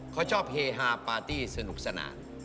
เขาชอบเฮฮาปาร์ตี้สนุกสนาน